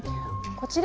こちら。